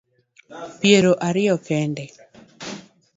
Piero ariyo kende